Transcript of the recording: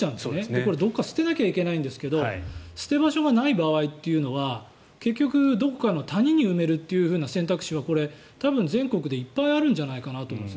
これ、どこかに捨てないといけないんですが捨て場所がない場合というのは結局、どこかの谷に埋めるという選択肢は多分、全国でいっぱいあるんじゃないかなと思うんです。